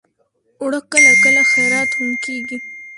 اوړه کله کله خیرات هم کېږي